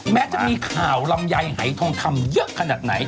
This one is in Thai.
แม้จะมีข่าวลำไยหายทองคำเยอะขนาดไหน